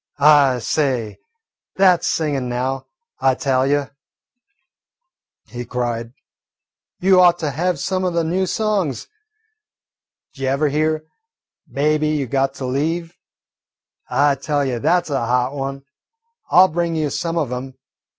"I say, that 's singin' now, I tell you," he cried. "You ought to have some o' the new songs. D' jever hear 'Baby, you got to leave'? I tell you, that 's a hot one. I 'll bring you some of 'em.